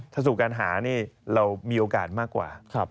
ถ้าสู่การหานี่เรามีโอกาสมากกว่า